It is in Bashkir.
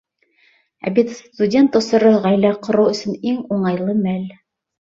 Ә бит студент осоро — ғаилә ҡороу өсөн иң уңайлы мәл.